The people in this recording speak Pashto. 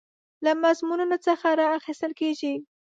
له مضمونونو څخه راخیستل کیږي.